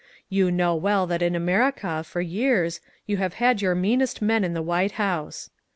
You know well that in America, for years, you have had your meanest men in the White House.